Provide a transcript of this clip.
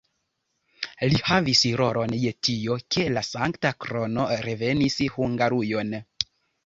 Li havis rolon je tio, ke la Sankta Krono revenis Hungarujon.